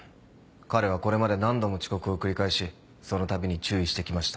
彼はこれまで何度も遅刻を繰り返しそのたびに注意してきました。